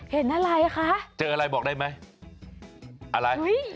เห็นอะไรคะเจออะไรบอกได้ไหมอะไร